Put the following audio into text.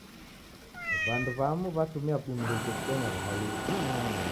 W'andu w'amu w'atumia bunduki kubonya w'uhalifu.